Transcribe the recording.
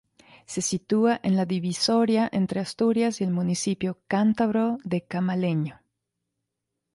Se sitúa en la divisoria entre Asturias y el municipio cántabro de Camaleño.